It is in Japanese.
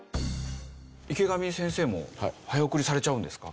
池上先生も早送りされちゃうんですか？